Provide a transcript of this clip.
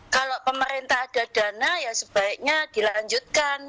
kalau pemerintah ada dana ya sebaiknya dilanjutkan